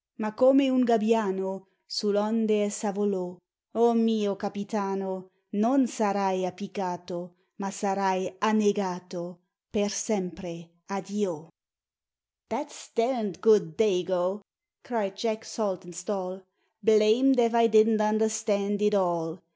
Ma come un gabbiano Sull'onde essa volò: "O mio Capitano! Non sarai appiccato, Ma sarai annegato; Per sempre addio!" "That's derned good Dago," cried Jack Saltonstall; "Blamed ef I didn't understand it all.